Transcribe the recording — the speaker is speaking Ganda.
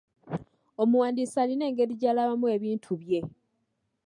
Omuwandiisi alina engeri gy'alabamu ebintu bye.